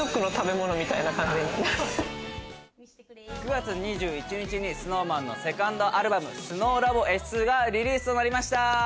９月２１日にＳｎｏｗＭａｎのセカンドアルバム、『ＳｎｏｗＬａｂｏ．Ｓ２』がリリースとなりました。